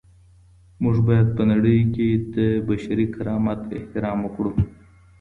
موږ باید په نړۍ کي د بشري کرامت احترام وکړو.